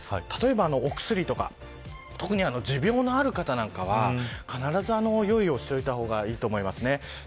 例えば、お薬とか特に持病のある方なんかは必ず用意をしておいた方がいいと思います。